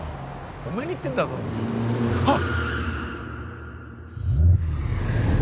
おめえに言ってんだぞはッ！